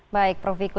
baik prof viku